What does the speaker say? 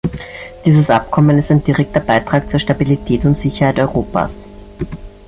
Dieses Abkommen ist ein direkter Beitrag zur Stabilität und Sicherheit Europas.